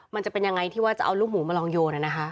มันจะเป็นยังไงที่ว่าจะเอาลูกหมูมาลองโยน